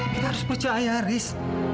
kita harus percaya riz